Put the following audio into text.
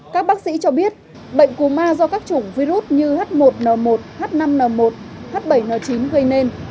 các bác sĩ cho biết bệnh cú ma do các chủng virus như h một n một h năm n một h bảy n chín gây nên